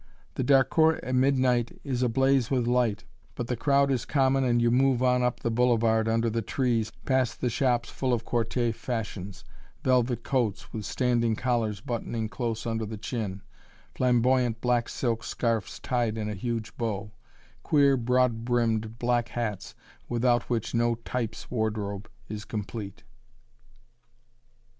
The d'Harcourt at midnight is ablaze with light, but the crowd is common and you move on up the boulevard under the trees, past the shops full of Quartier fashions velvet coats, with standing collars buttoning close under the chin; flamboyant black silk scarfs tied in a huge bow; queer broad brimmed, black hats without which no "types" wardrobe is complete.